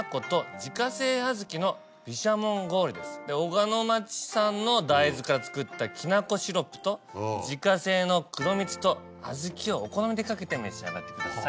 小鹿野町産の大豆から作ったきな粉シロップと自家製の黒蜜と小豆をお好みでかけて召し上がってください。